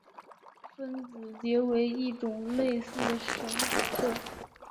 分子结为一种类似绳结的。